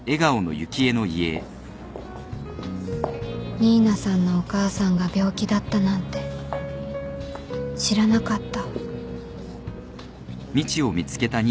新名さんのお母さんが病気だったなんて知らなかった